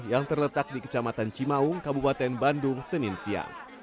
yang terletak di kecamatan cimaung kabupaten bandung senin siang